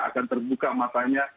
akan terbuka matanya